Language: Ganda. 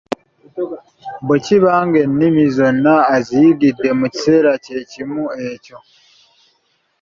Bwe kiba nga ennimi zonna aziyigidde mu kiseera kye kimu ekyo.